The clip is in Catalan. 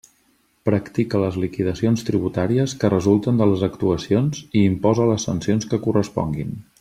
Practica les liquidacions tributàries que resulten de les actuacions i imposa les sancions que corresponguin.